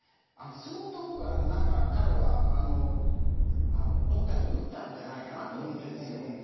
相当、彼はどこかで撃ったんじゃないかと思っているんですよ。